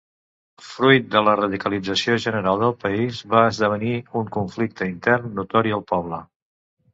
Fruit de la radicalització general del país, va esdevenir un conflicte intern notori al poble.